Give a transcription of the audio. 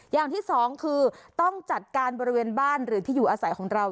อย่างที่สองคือต้องจัดการบริเวณบ้านหรือที่อยู่อาศัยของเรา